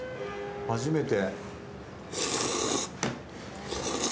初めて。